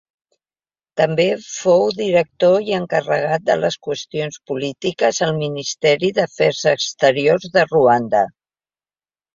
També fou director i encarregat de les qüestions polítiques al Ministeri d'Afers Exteriors de Ruanda.